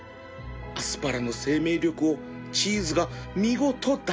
アスパラの生命力をチーズが見事抱き留めている